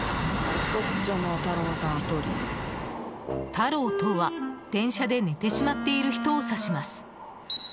太郎とは、電車で寝てしまっている人を指します。